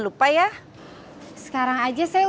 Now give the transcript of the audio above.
sudah yang cintanya lu kieu kowe woi ou